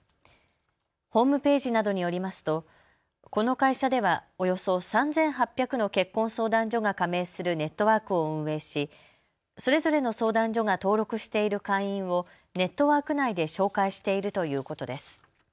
ホームページなどによりますとこの会社ではおよそ３８００の結婚相談所が加盟するネットワークを運営しそれぞれの相談所が登録している会員をネットワーク内で紹介しているということです。